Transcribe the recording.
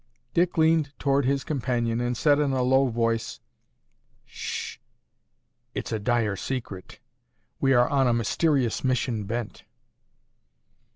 Dick leaned toward his companion and said in a low voice, "Shh! It's a dire secret! We are on a mysterious mission bent."